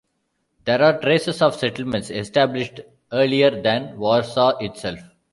There are traces of settlements established earlier than Warsaw itself.